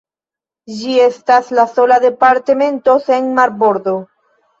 Ĝi estas la sola departemento sen marbordo.